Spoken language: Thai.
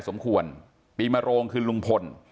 สมควรปีมโรงคือลุงพล